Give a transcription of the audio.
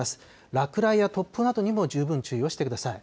落雷や突風などにも十分注意をしてください。